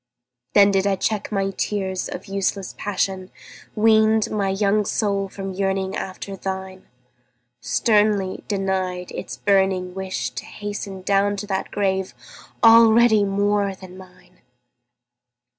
Then did I check my tears of useless passion, Weaned my young soul from yearning after thine, Sternly denied its burning wish to hasten Down to that grave already more than mine!